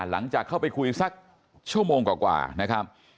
หลังจากเข้าไปคุยสักชั่วโมงกว่านะครับ